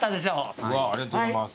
ありがとうございます。